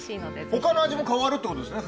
他の味も変わるってことですね。